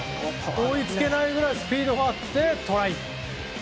追いつけないぐらいスピードがあってトライ。